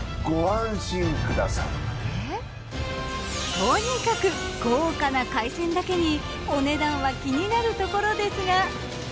とにかく豪華な海鮮だけにお値段は気になるところですが。